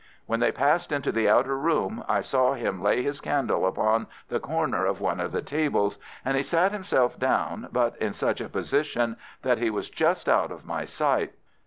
When they passed into the outer room I saw him lay his candle upon the corner of one of the tables, and he sat himself down, but in such a position that he was just out of my sight.